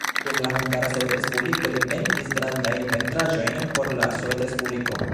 Dum la Hungara Sovetrespubliko li pentris grandajn pentraĵojn por la Sovetrespubliko.